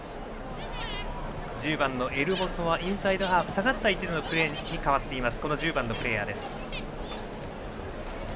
１０番のエルモソはインサイドハーフ下がった位置でのプレーに変わっています。